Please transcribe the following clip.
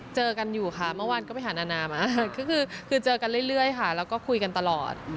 เจอกันอยู่ค่ะเมื่อวานก็ไปหานานามาก็คือเจอกันเรื่อยค่ะแล้วก็คุยกันตลอด